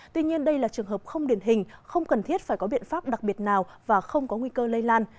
tuy nhiên đây là trường hợp không điển hình không cần thiết phải có biện pháp đặc biệt nào và không có nguy cơ lây lan